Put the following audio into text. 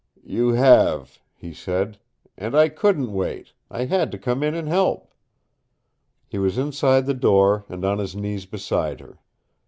"You have," he said. "And I couldn't wait. I had to come in and help." He was inside the door and on his knees beside her.